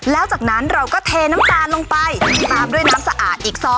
แล้วจากนั้นเราก็เทน้ำตาลลงไปตามด้วยน้ำสะอาดอีกซ้อ